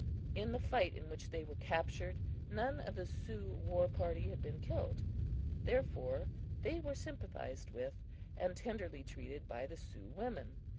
In the fight in which they were captured, none of the Sioux war party had been killed; therefore they were sympathized with and tenderly treated by the Sioux women.